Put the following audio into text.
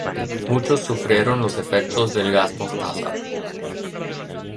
Muchos sufrieron los efectos del gas mostaza.